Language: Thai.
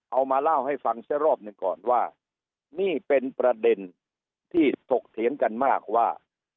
เอามาเล่าให้ฟังเสียรอบหนึ่งก่อนว่านี่เป็นประเด็นที่ถกเถียงกันมากว่า